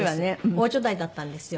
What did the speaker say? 大所帯だったんですよ。